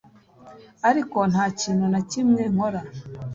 ariko nta kintu na kimwe nkora